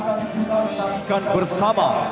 akan kita saksikan bersama